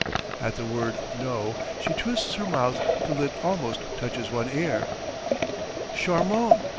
At the word "no" she twists her mouth till it almost touches one ear. "_Charmant!